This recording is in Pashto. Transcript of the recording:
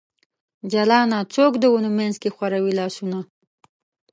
جلانه ! څوک د ونو منځ کې خوروي لاسونه ؟